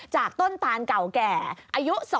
จากต้นตานเก่าแก่อายุ